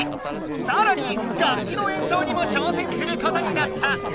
さらに楽器の演奏にも挑戦することになった。